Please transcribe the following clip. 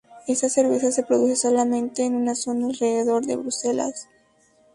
Esta cerveza se produce solamente en una zona alrededor de Bruselas.